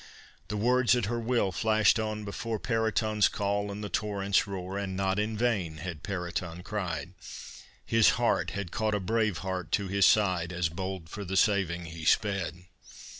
The words at her will flashed on before Periton's call and the torrent's roar; And not in vain had Periton cried, His heart had caught a brave heart to his side, As bold for the saving he sped.